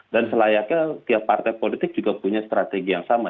dan selayaknya tiap partai politik juga punya strategi yang sama